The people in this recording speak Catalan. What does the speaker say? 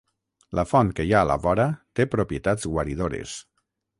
La font que hi ha a la vora té propietats guaridores.